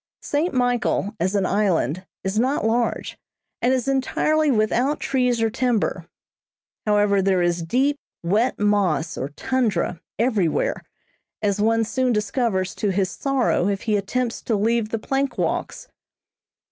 St. Michael, as an island, is not large, and is entirely without trees or timber. However, there is deep, wet moss or tundra everywhere, as one soon discovers to his sorrow if he attempts to leave the plank walks.